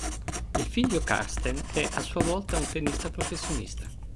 Il figlio Carsten è a sua volta un tennista professionista.